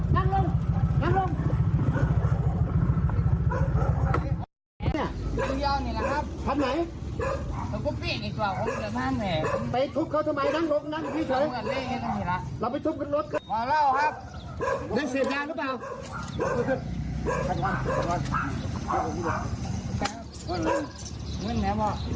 มาแล้วหรอครับนึกเสร็จแล้วหรือเปล่า